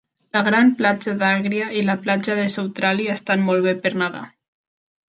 La gran platja d'Agria i la platja de Soutrali estan molt bé per nedar.